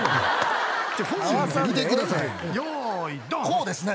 こうですね。